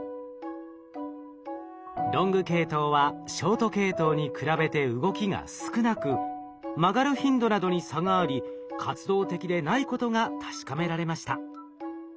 ロング系統はショート系統に比べて動きが少なく曲がる頻度などに差があり活動的でないことが確かめられました。